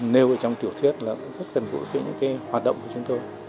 nêu ở trong tiểu thuyết là cũng rất gần gũi với những cái hoạt động của chúng tôi